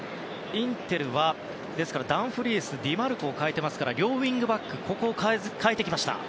インテルはダンフリースとディマルコを代えていますから両ウィングバックここを代えてきました。